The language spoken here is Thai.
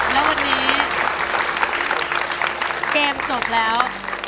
แล้ววันนี้เกมจบแล้ว